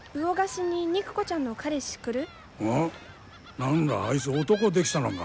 何らあいつ男できたのか？